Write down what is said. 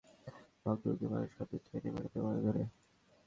কৃষিকাজের বাইরে চরের বেশির ভাগ দরিদ্র মানুষ খাদ্যের চাহিদা মেটাতে মাছ ধরে।